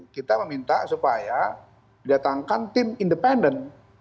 kita meminta supaya didatangkan tim independen